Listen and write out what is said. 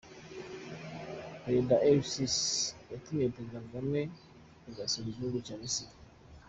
Perezida El-Sisi yatumiye Perezida Kagame kuzasura igihugu cya Misiri.